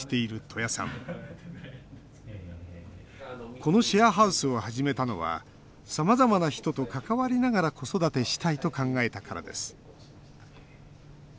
このシェアハウスを始めたのはさまざまな人と関わりながら子育てしたいと考えたからです。